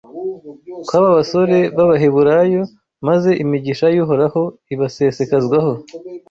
kw’aba basore b’Abaheburayo, maze imigisha y’Uhoraho ibasesekazwaho